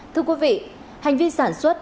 thưa quý vị hành vi sản xuất